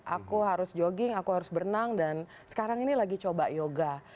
aku harus jogging aku harus berenang dan sekarang ini lagi coba yoga